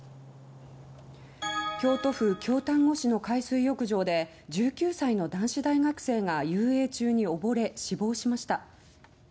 京都府京丹後市の海水浴場で１９歳の男子大学生が遊泳中に溺れ、死亡しました。